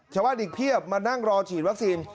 ชาวบ้านอีกเพียบมานั่งรอฉีดวัคซีน